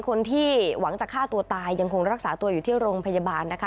คนที่หวังจะฆ่าตัวตายยังคงรักษาตัวอยู่ที่โรงพยาบาลนะคะ